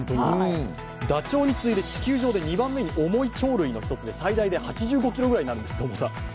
ダチョウに次いで地球上で２番目に重い鳥類、最大で８５ｋｇぐらいになるんですって。